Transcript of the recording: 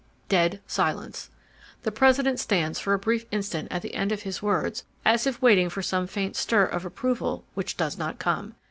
Dead silence. The President stands for a brief instant at the end of his words as if waiting for some faint stir of approval which does not come.